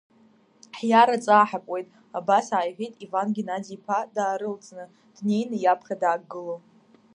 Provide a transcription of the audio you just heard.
Ҳиар аҵаа ҳакуеит, абас ааиҳәеит Иван Геннади-иԥа даарылҵны, днеины иаԥхьа даагыло.